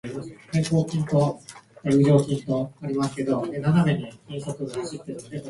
文章が自在で非常に巧妙なこと。